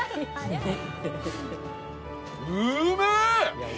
うめえ！